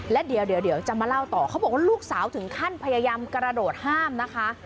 และเดี๋ยวจะมาเล่าต่อเขาบอกว่าลูกสาวถึงขั้นพยายามกระโดดห้ามนะคะ